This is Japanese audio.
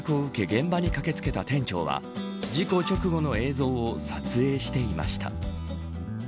現場に駆けつけた店長は事故直後の映像を撮影していました。